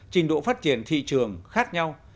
trình độ phát triển thị trường khác nhau